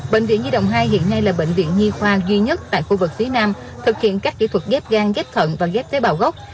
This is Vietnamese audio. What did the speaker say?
bệnh viện nhi đồng hai hiện nay là bệnh viện nhi khoa duy nhất tại khu vực phía nam thực hiện các kỹ thuật ghép gan ghép thận và ghép tế bào gốc